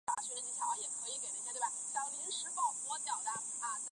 特别是福特上任后宣布特赦尼克松之举更导致他付出了沉重的政治代价。